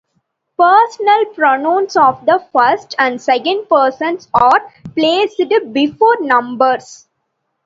Personal pronouns of the first and second person are placed before numbers.